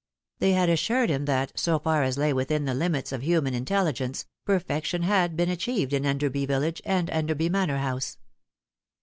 They had assured him that, so far as lay within the limits of human intelligence, perfection had been achieved in Euderby village and Enderby Manor House.